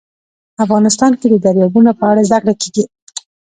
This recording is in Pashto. افغانستان کې د دریابونه په اړه زده کړه کېږي.